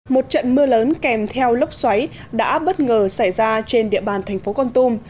một trận mưa lớn kèm theo lốc xoáy đã bất ngờ xảy ra trên địa bàn thành phố con tum